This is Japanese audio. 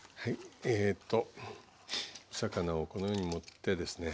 魚をこのように盛ってですね。